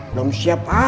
belum siap apa